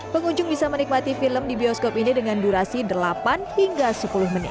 pengunjung bisa menikmati film di bioskop ini dengan durasi delapan hingga sepuluh menit